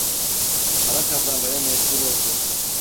Para kazanmaya mecbur oldum.